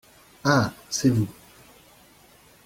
Ah ! c’est vous…